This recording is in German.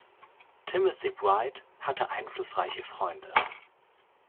Timothy Bright hatte einflussreiche Freunde.